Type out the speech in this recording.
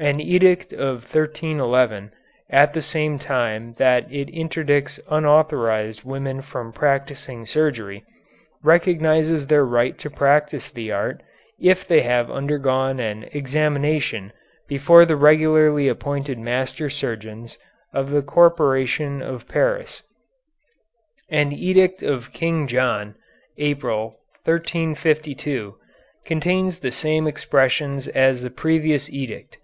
An edict of 1311, at the same time that it interdicts unauthorized women from practising surgery, recognizes their right to practise the art if they have undergone an examination before the regularly appointed master surgeons of the corporation of Paris. An edict of King John, April, 1352, contains the same expressions as the previous edict.